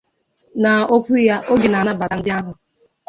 N'okwu ya oge ọ na-anabata ndị ahụ